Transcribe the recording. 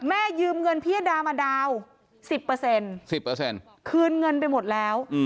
แม่ยืมเงินพิยดามาดาว๑๐